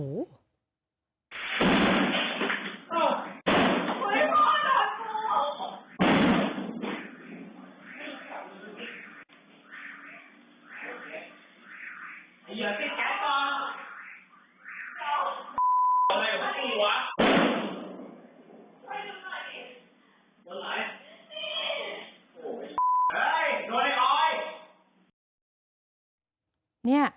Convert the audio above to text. อะไรกับที่นี่วะ